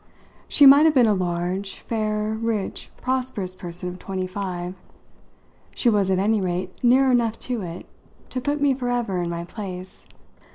She might have been a large, fair, rich, prosperous person of twenty five; she was at any rate near enough to it to put me for ever in my place.